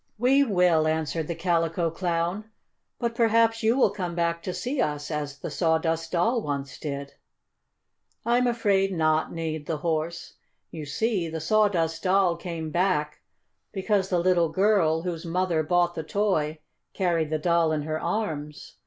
"We will," answered the Calico Clown. "But perhaps you will come back to see us, as the Sawdust Doll once did." "I'm afraid not," neighed the Horse. "You see, the Sawdust Doll came back because the little girl, whose mother bought the toy, carried the Doll in her arms.